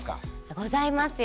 ございますよ